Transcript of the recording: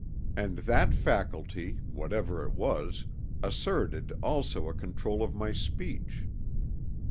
And that faculty, whatever it was, asserted also a control of my speech.